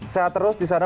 sehat terus di sana